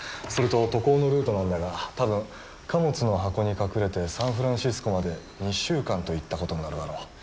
それと渡航のルートなんだが多分貨物の箱に隠れてサンフランシスコまで２週間といったことになるだろう。